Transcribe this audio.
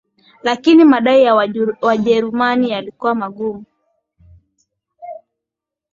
Lakini madai ya Wajerumani yalikuwa magumu